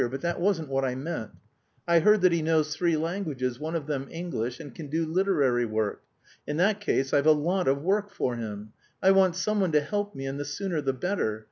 But that wasn't what I meant. I've heard that he knows three languages, one of them English, and can do literary work. In that case I've a lot of work for him. I want someone to help me and the sooner the better.